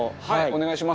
はい。